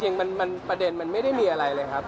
จริงประเด็นมันไม่ได้มีอะไรเลยครับ